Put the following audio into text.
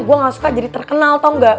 gue gak suka jadi terkenal tau gak